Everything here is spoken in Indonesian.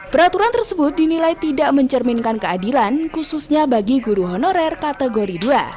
peraturan tersebut dinilai tidak mencerminkan keadilan khususnya bagi guru honorer kategori dua